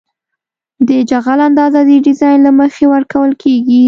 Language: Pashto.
د جغل اندازه د ډیزاین له مخې ورکول کیږي